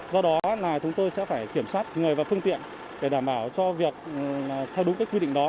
do đó là chúng tôi sẽ phải kiểm soát người và phương tiện để đảm bảo cho việc theo đúng cái quy định đó